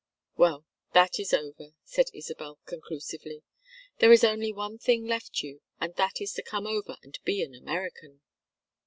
"Well, that is over," said Isabel, conclusively. "There is only one thing left you and that is to come over and be an American."